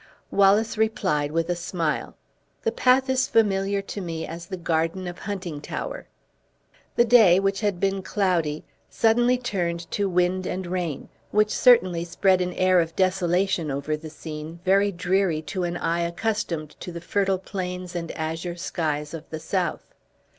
Wallace replied, with a smile. "The path is familiar to me as the garden of Huntingtower." The day, which had been cloudy, suddenly turned to wind and rain, which certainly spread an air of desolation over the scene, very dreary to an eye accustomed to the fertile plains and azure skies of the south.